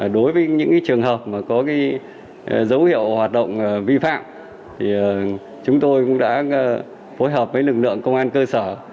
đối với những trường hợp có dấu hiệu hoạt động vi phạm thì chúng tôi cũng đã phối hợp với lực lượng công an cơ sở